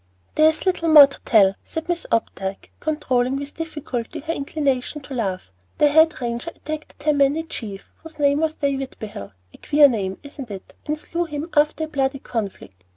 "There is little more to tell," said Miss Opdyke, controlling with difficulty her inclination to laugh. "The Head Ranger attacked the Tammany chief, whose name was Day Vidbehill, a queer name, isn't it? and slew him after a bloody conflict.